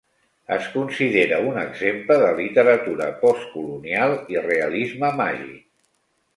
Es considera un exemple de literatura postcolonial i realisme màgic.